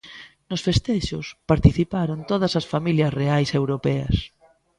Nos festexos participaron todas as familias reais europeas.